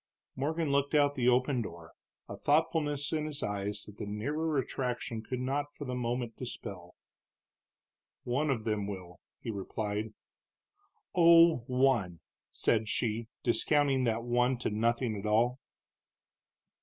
Morgan looked out of the open door, a thoughtfulness in his eyes that the nearer attraction could not for the moment dispel. "One of them will," he replied. "Oh, one!" said she, discounting that one to nothing at all.